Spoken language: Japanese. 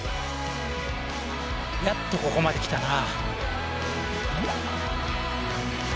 やっとここまで来たな。